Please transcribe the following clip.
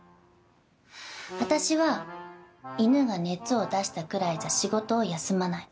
私は犬が熱を出したくらいじゃ仕事を休まない。